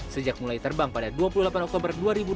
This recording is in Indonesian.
sejak mulai terbang pada dua puluh delapan oktober dua ribu dua puluh